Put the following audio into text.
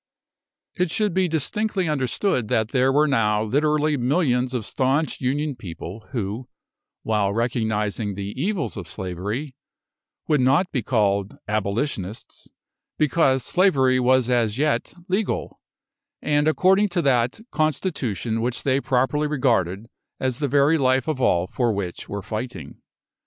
It should be distinctly understood that there were now literally millions of staunch Union people, who, while recognising the evils of slavery, would not be called Abolitionists, because slavery was as yet legal, and according to that constitution which they properly regarded as the very life of all for which were fighting.